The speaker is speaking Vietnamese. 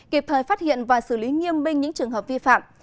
kịp thời phát hiện và xử lý nghiêm binh những trường hợp vi phạm